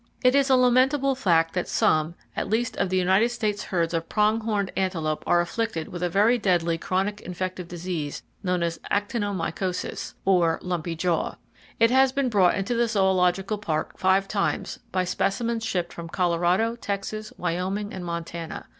—It is a lamentable fact that some, at least, of the United States herds of prong horned antelope are afflicted with a very deadly chronic infective disease known as actinomycosis, or [Page 84] lumpy jaw. It has been brought into the Zoological Park five times, by specimens shipped from Colorado, Texas, Wyoming and Montana.